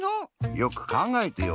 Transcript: よくかんがえてよ。